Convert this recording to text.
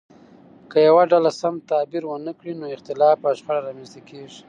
که یوه ډله سم تعبیر ونه کړي نو اختلاف او شخړه رامنځته کیږي.